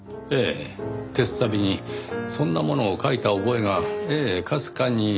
手すさびにそんなものを書いた覚えがええかすかに。